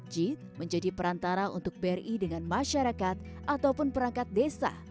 jit menjadi perantara untuk bri dengan masyarakat ataupun perangkat desa